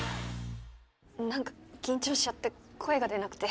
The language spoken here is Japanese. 何か緊張しちゃって声が出なくて。